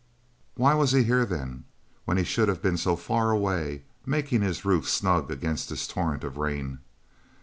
Why was he here, then, when he should have been so far away, making his roof snug against this torrent of rain.